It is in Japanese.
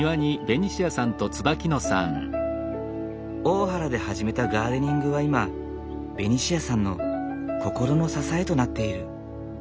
大原で始めたガーデニングは今ベニシアさんの心の支えとなっている。